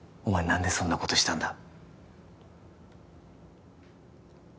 何でそんなことしたんだ？